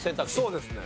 そうですね。